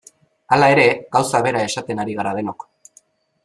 Hala ere, gauza bera esaten ari gara denok.